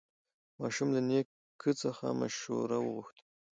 ماشوم له نیکه څخه مشوره وغوښته